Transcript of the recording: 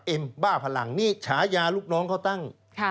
บ้าพลังนี่ฉายาลูกน้องเขาตั้ง